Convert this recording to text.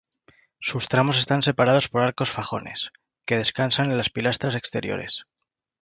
Sus tramos están separados por arcos fajones, que descansan en las pilastras exteriores.